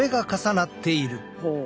ほう。